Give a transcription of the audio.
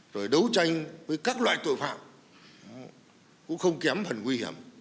rồi đấu tranh với các loại tội phạm cũng không kém phần nguy hiểm